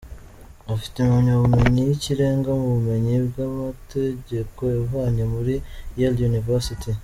Afite impamyabumenyi y’ikirenga mu bumenyi bw’amategeko yavanye muri Yale University.